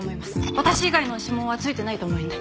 私以外の指紋は付いてないと思うんで。